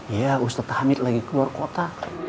iya ustadz hamid lagi keluar kota